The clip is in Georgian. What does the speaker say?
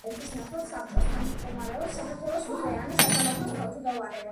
საქართველოს პრეზიდენტის ნაცვლად საბჭოს თავმჯდომარეობს საქართველოს უზენაესი სასამართლოს თავმჯდომარე.